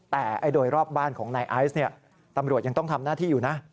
แต่โดยรอบบ้านของนายไอซ์ตำรวจยังต้องทำหน้าที่อยู่นะ